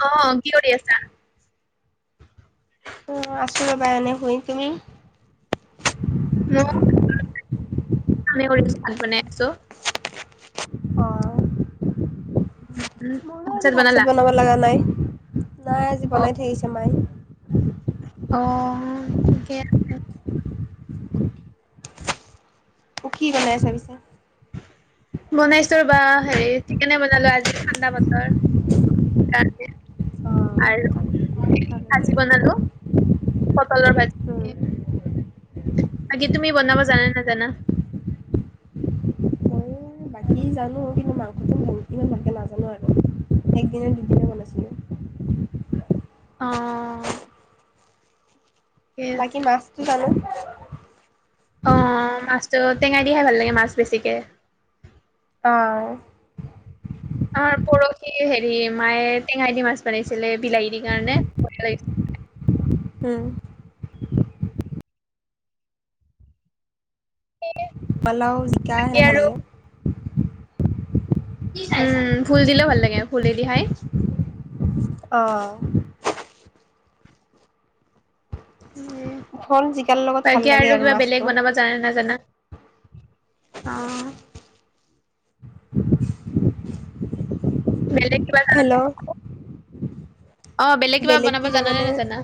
অ কি কৰি আছা অ আছো ৰ ব এনে হৈ তুমি ম ম চাত বনাই আছো অ উম উম মোৰো আজি ভাত চাত বনাব লগা নাই নাই আজি অ বনাই থাকিছে মাই অ ঠিকে আছে উখি বনাই পিছে বনাইছো বা হেৰি ঠিকেনে বনালো আজি ঠাণ্ডা বতৰ আৰু ভাজি বনালো পটলৰ ভাই আাকি তুমি বনাবা জানা নাজানা কি জানো কিন্তু মাংসথম কম ইমান ভাতকেলা আছে নয় একদিনে দুদিনে ক আছেো অ' ঠিকে বাকী আছে মাছটো জানো অ', মাছটো টেঙাই দিহে ভাল লাগে মাছ বেছিকৈ অ' আমাৰ পৰহি হেৰি মায়ে টেঙাই দি মাছ বনাইছিলে বিলাহী দি কাৰণে লাগিছিল হম লাগিছিলে পালাও জিকা বাকী হে ভাল আৰু লাগে উম ফুল দিলেও ভাল লাগে ফুলেদি খাই অ' খাই ধন জিকাৰ লগত বাকী ভাল লাগে আৰু কিবা বেলেগ মাছটো বনাব জানা নাজানা অ' বেলেগ কিবা জান হেল্ল' নে অ বেলেগ কিবা বনাব জানানে নে জানা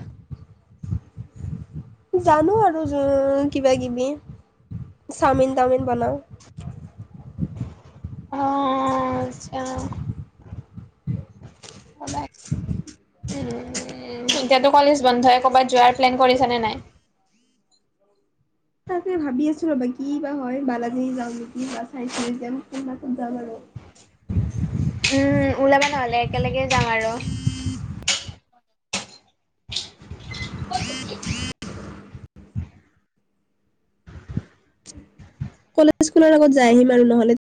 জানো আৰু কিবা কিবি চাওমিন টাাওমিন বনাওঁ অ', আচছা এতিয়াতো কলেজ বন্ধই ক'বাত যোৱাৰ প্লেন কৰিছ নে নাই তাকে ভাবি আছো ৰ'বা কি বা হয় বালাজানী যাওঁ নেকি বা চাই চাই যাম ক কত যাম আৰু ওলাবা নহ'লে একেলগে যাওঁ আৰু কলেজ স্কুলৰ আগত যাই আহিম আৰু নহ'লে